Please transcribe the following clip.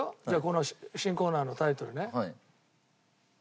じゃあこの新コーナーのタイトルね。